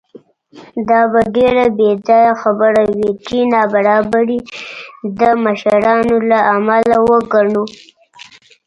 دا به ډېره بېځایه خبره وي چې نابرابري د مشرانو له امله وګڼو.